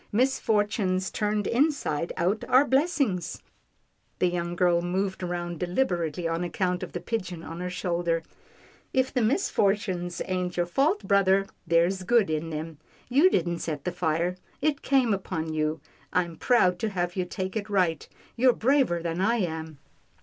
" Misfortunes turned inside out are blessings." The young girl moved round deliberately on account of the pigeon on her shoulder. "If the misfortunes ain't your fault, brother, there's good in them. You didn't set the fire. It came upon you. I'm proud to have you take it right. You're braver than I am."